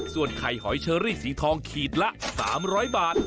ส่วนไข่หอยเชอรี่สีทองขีดละ๓๐๐บาท